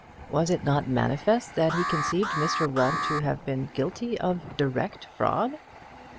Was it not manifest that he conceived Mr Rubb to have been guilty of direct fraud?